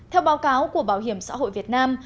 theo báo cáo của bảo hiểm xã hội việt nam